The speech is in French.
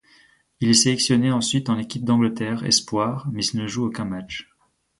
Il est sélectionné ensuite en équipe d'Angleterre espoirs, mais il ne joue aucun match.